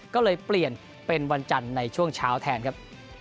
ก็เลยเปลี่ยนเป็นวันจันทร์ในช่วงเช้าแทนครับ